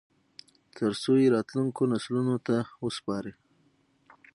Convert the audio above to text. ترڅو یې راتلونکو نسلونو ته وسپاري